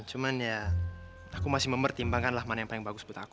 cuman ya aku masih mempertimbangkan lah mana yang paling bagus buat aku